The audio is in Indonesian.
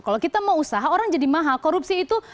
kalau kita mau usaha orang jadi mahal korupsi itu